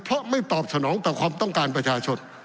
เพราะไม่ตอบสนองต่อความต้องการประชาชน